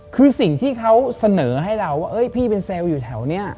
คือสิ่งที่เขาเสนอให้เราว่าพี่เป็นเซลล์อยู่แถวนี้